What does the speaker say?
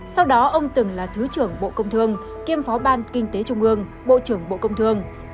sau đó ông từng là thứ trưởng bộ công thương kiêm phó ban kinh tế trung ương bộ trưởng bộ công thương